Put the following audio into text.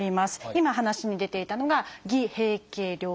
今話に出ていたのが偽閉経療法でしたよね。